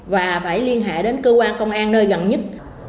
và phải liên hệ đến cơ quan công an nơi gần nhất